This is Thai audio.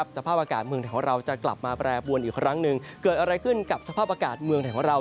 สภาพอากาศเมืองไทยของเราจะกลับมาแปรปวนอีกครั้งหนึ่งเกิดอะไรขึ้นกับสภาพอากาศเมืองไทยของเรา